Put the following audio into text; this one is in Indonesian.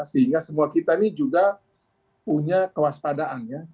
sehingga semua kita ini juga punya kewaspadaan ya